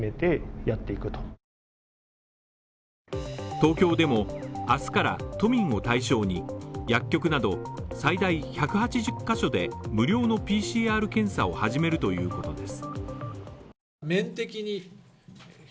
東京でも明日から都民を対象に、薬局など最大１８０ヶ所で無料のＰＣＲ検査を始めるということです。